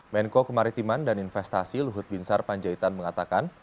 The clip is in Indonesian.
menko kemaritiman dan investasi luhut binsar panjaitan mengatakan